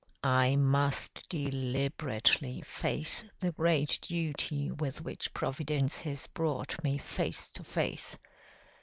I must delib'rately face the great duty with which Providence has brought me face to face.